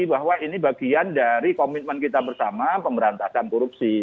bahwa ini bagian dari komitmen kita bersama pemberantasan korupsi